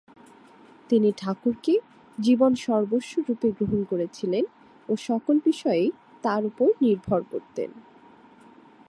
তিনি ঠাকুরকে জীবন সর্বস্ব রূপে গ্রহণ করেছিলেন ও সকল বিষয়েই তাঁর উপর নির্ভর করতেন।